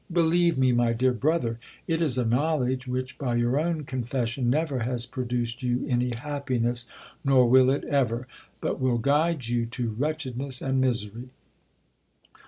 Believe rae, my dear brother, it is a knowledge, which, by your own confession, never has produced you any happiness, nor will it ever ; but will guide you to wretchedness and misery.